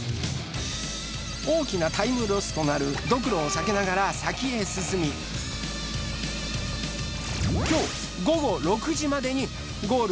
大きなタイムロスとなるドクロを避けながら先へ進み今日午後６時までにゴール